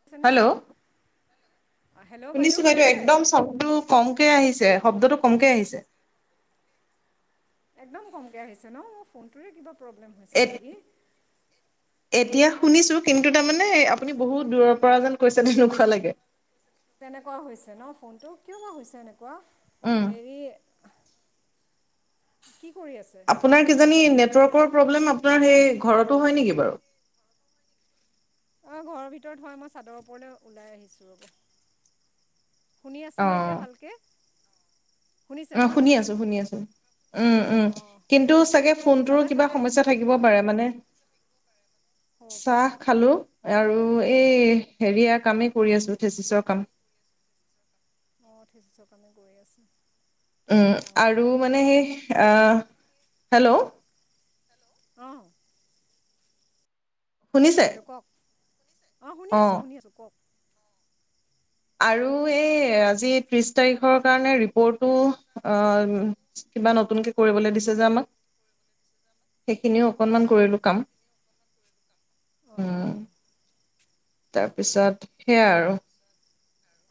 শুনিছেনে hello! Hello শুনিছো বাইদেউ, শুনিছে একদম চাউণ্ডটো কমকে আহিছে। শব্দটো কমকে আহিছে। একদম কমকে আহিছে ন? মোৰ ফোনটোৰে কিবা প্ৰব্লেম এ হৈছে নেকি। এতিয়া শুনিছো, কিন্তু তাৰমানে আপুনি বহুত দূৰৰ পৰা যেন কৈছে তেনেকোৱা লাগে। তেনেকুৱা হৈছে ন ফোনটো, কিয় বা হৈছে এনেকুৱা। উম। হেৰি, কি? কৰি আছে আপোনাৰ কিজানি নেট নেটৱৰ্কৰ প্ৰব্লেম আপোনাৰ সেই ঘৰতো হয় নেকি বাৰু? অ' ঘৰৰ ভিতৰত হয়, মই চাদৰ ওপৰলৈ ওলাই আহিছোঁ ৰ'ব। শুনি আছে নে এতিয়া ভালকে। উম, শুনি আছো শুনি আছো। উম অঁ উম অঁ কিন্তু চাগে চাহ ফোনটোৰো তাহ কিবা খালে সমস্যা থাকিব পাৰে মানে হ'ব পাৰে চাহ খালো আৰু এই হেৰিয়া কামেই কৰি আছোঁ থেচিছৰ কাম অঁ ঠিকচক আমি গৈ আছোঁ উম আৰু মানে সেই হেল্ল' অ আছোঁ শুনিছে বাইদেউ কওক অ শুনি আছো শুনি আছো কওক আৰু এই আজি ত্ৰিশ তাৰিখৰ কাৰণে ৰিপৰ্টটো অহ উম কিবা নতুনকে কৰিবলৈ দিছে যে আমাক সেইখিনিও অঁ অকনমান আচ্ছা কৰিলো কাম অঁ উম অঁ তাৰপিছত সেয়াাই আৰু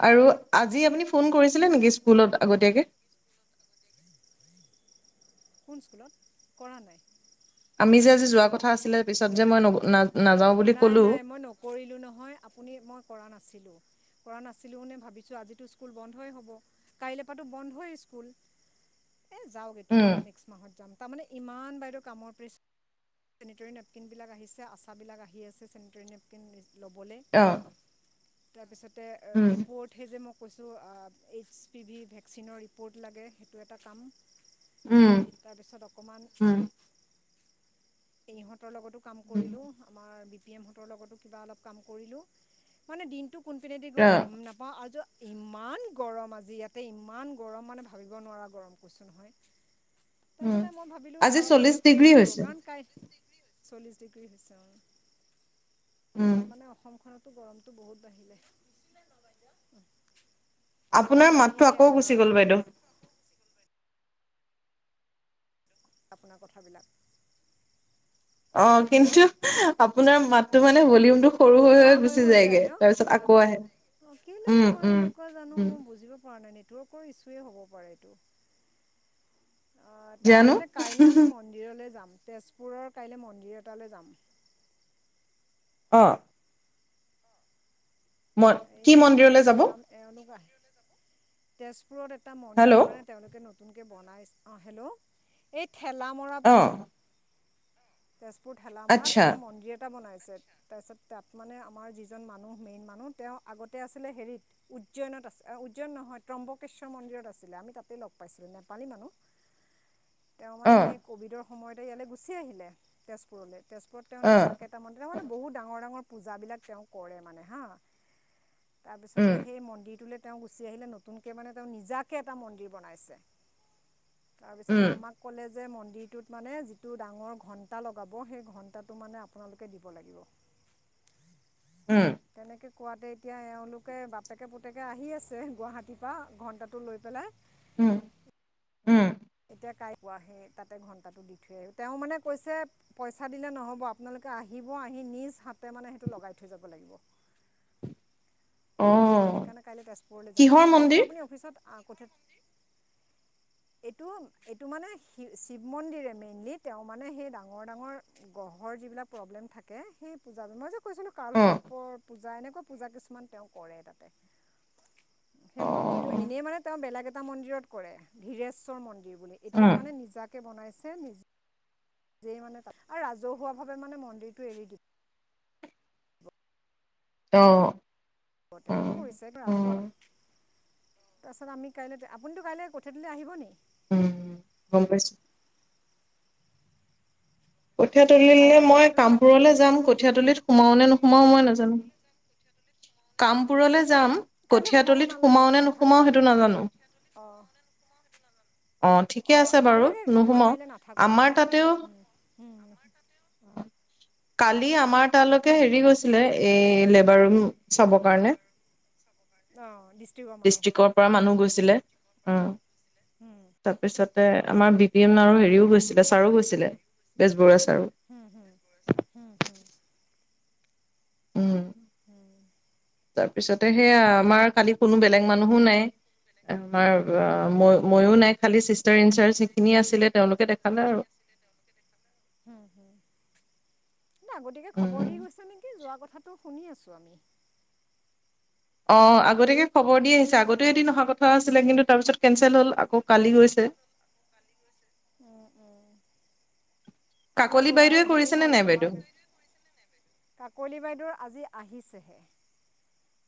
আৰু আজি আপুনি ফোন কৰিছিলে নেকি স্কুলত আগতীয়াকৈ [inaudible] কোন স্কুলত কৰা নাই আমি যে আজি যোৱা কথা আছিলে পিছত যে নগলো ম নাযাওঁ বুলি নাই ক'লো নাই মই নকৰিলো নহয় আপুনি মই কৰা নাছিল কৰা নাছিলো ভাবিছো আজি স্কুল বন্ধই হ'ব কাইলৈ পৰাটো বন্ধই স্কুল [inaudible] এ যাওক এইটো মাহ নেক্স মাহত যাম তাৰমানে ইমান বাইদেউ কামৰ প্ৰেচাৰ চেনিটেৰী নেপকিনবিলাক আহিছে আচাবিলাক আহি আছে চেনিটেৰী নেপকিন ল'বলৈ তাৰপিছতে ৰিপ'ৰ্ট সেই যে মোক কৈছোঁ এইচ পি ভি ভেকচিনৰ ৰিপ'ৰ্ট লাগে সেইটো এটা কাম তাৰপিছত অকণমান ইহঁতৰ লগতো কাম কৰিলোঁ। আমাৰ পি এম হঁতৰ লগতো কিবা অলপ কাম কৰিলোঁ, মানে দিনটো কোনপিনেদি গ'ল অঁ গ'ম নাপাওঁ আৰু য ইমান গৰম আজি ইয়াতে ইমান গৰম মানে ভাবিব নোৱাৰা গৰম কৈছোঁ নহয়। তাৰপিছতে মই ভাবিলোঁ আজি ছাৰক মই চল্লিশ এতিয়া ফোন ডিগ্ৰী নকৰোঁ হৈছে কাৰণ কাই চল্লিশ ডিগ্ৰী হৈছে অ' মানে অসম তাতো গৰমটো বহুত বাঢ়ি যায়। আপোনাৰ মাতটো আকৌ গুচি গ'ল বাইদেউ। আপোনাৰ কথাবিলাক অ হেল্ল' কিন্তু আপোনাৰ মাতটো মানে ভলিউম টো সৰু হৈ নোহোৱা হৈ গুচি যায়গে। তাৰ পিছত আকৌ আহে অ' কেলে উম হয় উম এনেকুৱা জানোঁ। উম মই বুজিব পৰা নাই, নেটৱৰ্কৰ ইছুৱে হ'ব পাৰে এইটো। অ তাৰ জানো মানে কাইলে আমি মন্দিৰলে যাম। তেজপুৰৰ কাইলৈ মন্দিৰ এটালৈ যাম। অ'। মই মন্দিৰটো যাম এওলোক আহ তেজপুৰত এটা হেল্ল' মন্দিৰ মানে তেওলোকে নতুন বনাই অ, হেল্ল', এই ঠেলামৰা অ পিনে। তেজপুৰ ঠেলামৰাত আচ্ছা কিবা মন্দিৰ এটা বনাই তাৰপিছত তাত মানে আমাৰ যিজন মানুহ মেইন মানুহ তেও আগতে আছিলে হেৰিত উজ্জৈনত আছে উজ্জৈন নহয় ত্ৰম্বকেশ্বৰ মন্দিৰত আছিলে আমি তাতে লগ পাইছিলো। নেপালী মানুহ। [inaudible] তেও মানে অ সেই ক'ভিডৰ সময়তে ইয়ালৈ গুচি আহিলে তেজপুৰলৈ। তেজপুৰত তেও অ নিজাকৈটা মন্দিৰ মানে বহুত ডাঙৰ - ডাঙৰ পূজাবিলাক তেও কৰে মানে হা। উম তাৰপিছতে সেই মন্দিৰটোলে তেও গুচি আহিলে নতুনকৈ মানে তেও নিজাকে এটা মন্দিৰ বনাইছে। তাৰপিছতে উম আমাক ক'লে যে মন্দিৰটোত মানে যিটো ডাঙৰ ঘণ্টা লগাব সেই ঘণ্টাটো মানে আপোনালোকে দিব লাগিব। উম, তেনেকৈ কোৱাতে এতিয়া এওলোকে বাপেকে পুতেকে আহি আছে গুৱাহাটীৰ পৰা ঘণ্টাটো লৈ পেলাই। উম - উম। এতিয়া কাই কোৱা সেই তাতে ঘন্টাটো দি থৈ আৰু তেও মানে কৈছে পইচা দিলে নহব আপোনালোক আহিব- আহি নিজ হাতে মানে সেইটো লগাই থৈ যাব লাগিব। [inaudible] অ এতিয়া সেইকাৰণে কাইলৈ তেজপুৰলৈ যাম কিহৰ কাইলেতো মন্দিৰ আপুনি অফিচত কঠ এইটো সেইটো মানে শি শিৱ মন্দিৰে মেইনলি তেও মানে সেই ডাঙৰ - ডাঙৰ গ্ৰহৰ যিবিলাক প্ৰব্লেম থাকে থাকে সেই পূজায় কৈছিলো অ কালসৰপৰ পূজা এনেকুৱা পূজা কিছুমান তেও কৰে তাতে। সেই অ মন্দিৰটো এনেই মানে তেও বেলেগ এটা মন্দিৰত কৰে ধীৰেশ্বৰ মন্দিৰ। এতিয়া উম মানে নিজাকে বনাইছে নিজ নিজেই মানে আৰু ৰাজহুৱাভাৱে মানে মন্দিৰটো এৰি দিও। অহ ', [unintelligible] তেওঁ কৰিছে ৰাজহুৱা তাৰপাছত আমি কাইলৈ আপুিতো কাইলৈ আহিব নিক উম, গম পাইছো। কঠীয়াতলিলে কাইলৈ মই কঠীয়াতলি আহিব কামপুৰলৈ নেকি যাম আপুনি কঠীয়াতলিত সোমাও নে নোসোমাও মই নাজানো। কামপুৰলৈ জা যাম কাইলৈ সোমাব কঠিয়াতলিত নালাগে সোমাও মই নে নাথাকোঁ নোসোমাও সেইটো নাজানো। অঁ অ, ঠিকে অঁ আছে বাৰু নালাগে মই নুসুম কাইলৈ নাথাকোঁ আমাৰ তাতেও কালি আমাৰ তালৈকে হেৰি গৈছিলে এই লেবাৰ ৰুম চাবৰ কাৰণে। অঁ ডিষ্ট্ৰিক্টৰ মানুহ ডিষ্ট্ৰিক্ৰ পৰা মানুহ গৈছিলে আহ। হুম তাৰপিছতে আমাৰ বি পি এম আৰু হেৰিও গৈছিলে ছাৰও গৈছিলে বেজবৰুৱা ছাৰো হম - হম - হম - হম। উম, হুম তাৰ পিছতে সেয়া আমাৰ খালি কোনো বেলেগ মানুহো নাই আমাৰ অ, ম মই নাই কালি খিনি আছিলে তেওলোকে দেখালে আৰু। আগতিয়াকে খবৰ উম দি গৈছে নেকি যোৱা কথাটো। শুনি আছো আমি। অ, আগতীয়াকে খবৰ দি আহিছে আগতেও এদিন অহা কথা আছিলে কিন্তু তাৰপিছত কেনচেল হ'ল আকৌ কালি গৈছিল। এক [unintelligible] উম, উম। আপোনাৰ কাকলি ল'ৰাৰ বাইদেৱে হেৰি কৰিছেনে হ'ল? নাই চামাৰ। বাইদেউ কাকলি বাইদেউ আজি আহিছেহে।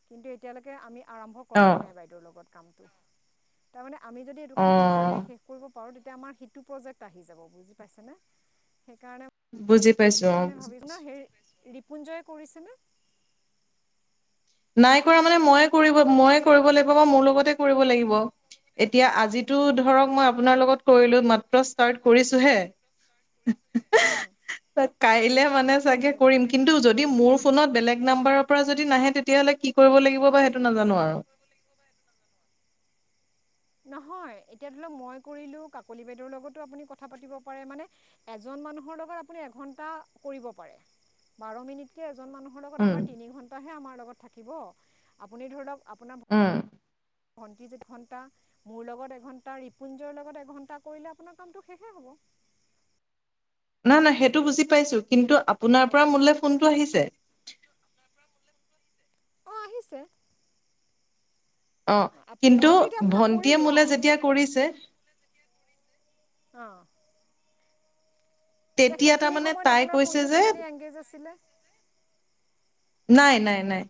কিন্তু এতিয়ালৈকে আমি আৰম্ভ অ কৰাই নাই বাইদেউৰ লগত কামটো। তাৰমানে আমি যদি এইটো অ কাম সোনকালে শেষ কৰিব পাৰোঁ তে তেতিয়া আমাৰ সিটো প্ৰজেক্ট আহি যাব বুজি পাইছে নে? সেইকাৰণে বুজি পাইছো অ মানে ভাবিম না, হেই ৰিপুঞ্জয়ে কৰিছে নে? নাই কৰা মানে মইয়ে কৰিব মইয়ে কৰিব লাগিব বা মোৰ লগতে কৰিব লাগিব। এতিয়া আজিতো ধৰক মই আপোনাৰ লগত কৰিলো। মাত্ৰ ষ্টাৰ্ট কৰিছো হে। কাইলে মানে চাগে তাকেতো কৰিম। কিন্তু, যদি মোৰ ফোনত বেলেগ নাম্বাৰৰ পৰা যদি নাহে কেতিয়ালে কি কৰিব লাগিব বা সেইটো নাজানোঁ আৰু নহয়। এতিয়া ধৰি লওক মই কৰিলো, কাকলি বাইদেউৰ লগতো আপুনি কথা পাতিব পাৰে মানে এজন মানুহৰ লগত এঘণ্টা কৰিব পাৰে। বাৰ মিনিটকে এজন মানুহৰ লগত উম আমাৰ তিনি ঘণ্টাহে আমাৰ লগত থাকিব। আপুনি ধৰি লওক আপোনাৰ উম ভণ্টি লগত এঘণ্টা, মোৰ লগত এঘণ্টা, ৰিপুঞ্জয় লগত এঘণ্টা কৰিলে আপোনাৰ কামটো শেষে হ'ব। [inaudible] না-না সেইটো বুজি পাইছো। কিন্তু আপোনাৰ গম পৰা পাইছেনে মোলে ফোনটো আহিছে। অ' আহিছে। অ', কিন্তু মইতো এতিয়া আপোনাক ভণ্টিয়ে কৰিলোঁ মোলে যেতিয়া কৰিছে। অহ, তেতিয়া সেইখিনি তাৰমানে সময়ত তাই আপোনাৰ কৈছে ফোনটো যে কিজানি এংগেজ আছিলে। নাই-নাই-নাই,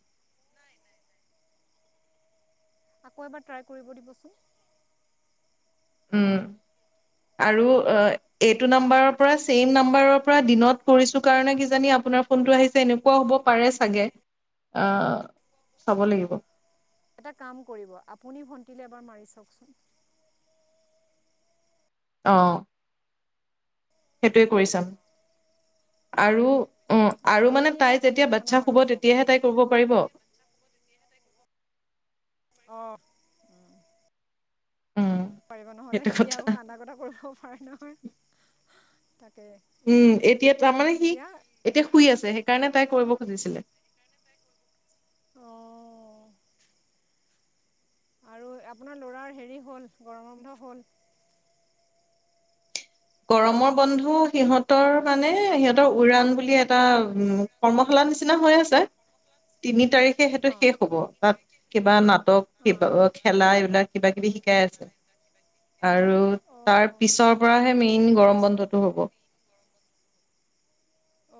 আকৌ এবাৰ ট্ৰাই কৰিব দিবচোন। উম, আৰু এইটো নাম্বাৰৰ পৰা চেম নাম্বাৰৰ পৰা দিনত কৰিছো কাৰণে কিজানি আপোনাৰ ফোন ফোনটো আহিছে, এনেকুৱা হ'ব পাৰে চাগে। আ চাব লাগিব। এটা কাম কৰিব, আপুনি ভণ্টিলে এবাৰ মাৰি চাওঁকচোন। অ', সেইটোৱে আছেনে কৰি চাম আৰু অ' অঁ আৰু মানে আপুনি এবাৰ তাই যেতিয়া ভণ্টিলৈ আপোনাৰ বাচ্ছা মাৰি শুব, চাওক তেতিয়াহে তাই কৰিব পাৰিব। অ, উম পাৰিব। নহলে সেইটো সি কথা আৰু কান্দা কতা কৰিবও পাৰে নহয়। তাকে উম, এতিয়া তাৰ মানে সি এতিয়া অঁ এতিয়া শুই আছে, সেইকাৰণে তাই কৰিব খুজিছিলে। আৰু আপোনাৰ ল'ৰাৰ হেৰি হ'ল? গৰমৰ বন্ধ হ'ল? গৰমৰ বন্ধ সিহঁতৰ মানে সিহঁতৰ উৰাণ বুলি এটা কৰ্মশালা নিচিনা হৈ আছে। তিনি তাৰিখে সেইটো অঁ শেষ হ'ব, তাত কিবা নাটক, অঁ কিবা খেলা এইবিলাক কিবা কিবি শি শিকাই আছে আৰু তাৰ অঁ পিছৰ পৰাহে মেইন গৰম বন্ধটো হ'ব।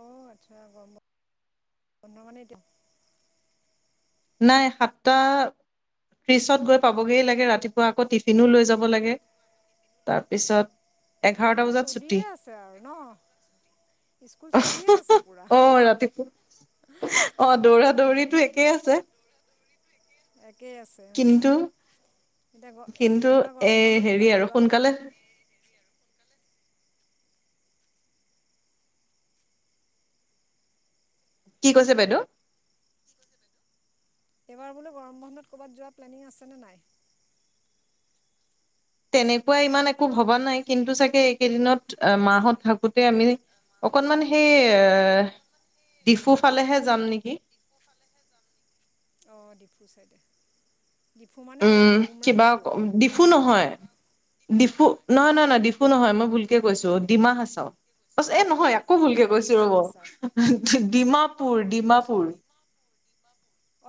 অ' আচ্ছা, গৰম বন্ধ মানে এতিয়া নাই, সাতটা ত্ৰিচত গৈ পাবগৈ লাগে ৰাতিপুৱা, আকৌ টিফিনো লৈ যাব লাগে, তাৰপিছত এঘাৰটা অ' বজাত ছুটি চলিয়ে আছে আৰু ন। স্কুল চলিয়ে আছে পোৰা। অ ৰাতিপুৱা অ' দৌৰা দৌৰিতো একেই আছে। একেই আছে উম। কিন্তু এতিয়া, কিন্তু এইবাৰ এ গৰম বন্ধত হেৰি ক'ৰবাত আৰু যোৱাত সোনকালে আপোনাৰ [inaudible] কি কৈছে বাইদেউ। এইবাৰ বোলো গৰম বন্ধত ক'ৰবাত যোৱা প্লেনিং আছেনে নাই। তেনেকুৱা ইমান একো ভবা নাই কিন্তু চাগে এইকেইদিনত মাহত থাকোতে আমি অকণমান সেই ডিফু ফালেহে যাম নেকি। [unintelligible] অ, ডিফু চাইডে। ডিফু মানে উম এইটো কিবা উমৰাংচু ডিফু হাফলং নহয় ডিফু নহয় নহ নহ ডিফু একো নহয় মই ভুলকে কৈছো ডিমা হাছাও প এ হাফলং নহয় আকৌ ভুলকে অঁ কৈছো ডিমা ৰ'ব হাছাও ডিমাপুৰ- ডিমাপুৰ।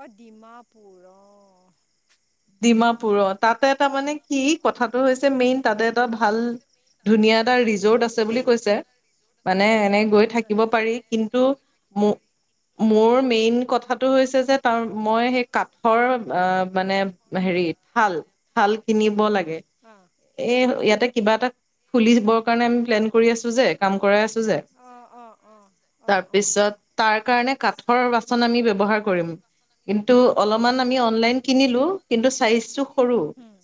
অ, ডিমাপুৰ অ, ডিমাপুৰৰ তাতে এটা মানে কি কথাটো হৈছে মেইন তাতে এটা ভাল ধুনীয়া এটা ৰিজৰ্ট আছে বুলি কৈছে মানে এনে। গৈ থাকিব আচ্ছা পাৰি কিন্তু মোৰ মেইন কথাটো হৈছে যে তাৰ মই সেই কাঠৰ মানে হেৰি থাল - থাল কিনিব লাগে এ ইয়াতে কিবা এটা খুলিবৰ কাৰণে আমি প্লেন কৰি আছো যে কাম কৰাই আছো যে অঁ অঁ অঁ অঁ অঁ অঁ তাৰপিছত অঁ তাৰ কাৰণে কাঠৰ বাচন আমি ব্যৱহাৰ কৰিম কিন্তু অলপমান আমি অনলাইন কিনিলো কিন্তু চাইজটো সৰু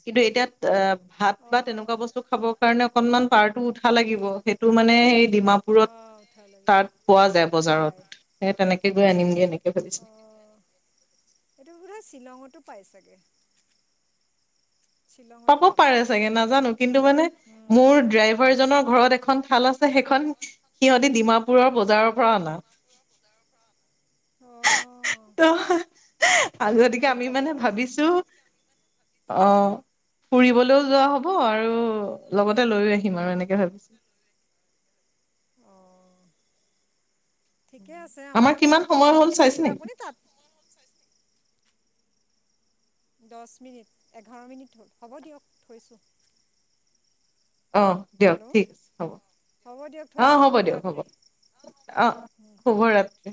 কিন্তু এতিাত অ, ভাত বা অঁ তেনেকুৱা বস্তু খাবৰ কাৰণে অকনমান পাৰটো উঠা লাগিব সেইটো মানে সেই ডিমাপুৰত অঁ উঠা লাগিব তাত পোৱা যায় বজাৰত পায় স তেনেকে গৈ আনিমগৈ এনেকে ভাবিছো। অঁ এইটো বোধৰা শ্বিলঙতো পাই চাগে পাব পাৰে চাগে নাজানো কিন্তু মানে মোৰ ড্ৰাইভাৰজনৰ ঘৰত এখন থাল আছে সেইখন সিহতি ডিমাপুৰৰ বজাৰৰ পৰা অনা। অ' ত' সেইটো আজতিকে হেৰিত আমি যাব মানে আৰু ভাবিছো। [unintelligible] অ', ফুৰিবলৈও যোৱা হব আৰু লগতে লৈ আহিম আৰু এনেকে ভাবিছো। [inaudible] অ' ঠিকে আছে আমাৰ আকৌ কিমান নতুন সময় হ'ল প্ৰজেক্টটো চাইছে আহিলে নেকি আপুনি তাত দহ মিনিট এঘাৰ মিনিট হ'ল হ'ব দিয়ক থৈছো। অ', দিয়ক ঠিক আছে হ'ব হ'ব দিয়ক অ, থৈছোঁ হ'ব দিয়ক হ'ব শুভৰাত্ৰি অ, শুভ ৰাত্ৰি।